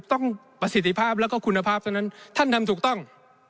ประสิทธิภาพแล้วก็คุณภาพเท่านั้นท่านทำถูกต้อง